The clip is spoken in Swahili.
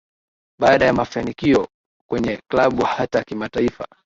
Baada ya mafanikio kwenye klabu hata kimataifa